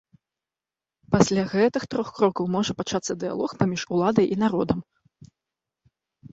Пасля гэтых трох крокаў можа пачацца дыялог паміж уладай і народам.